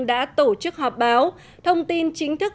đã tổ chức họp báo thông tin chính thức